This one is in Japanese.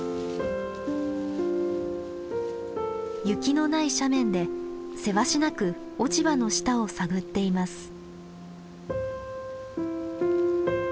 雪のない斜面でせわしなく落ち葉の下を探っています。